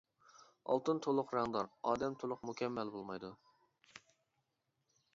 ئالتۇن تولۇق رەڭدار، ئادەم تولۇق مۇكەممەل بولمايدۇ.